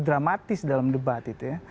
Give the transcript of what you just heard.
dramatis dalam debat itu ya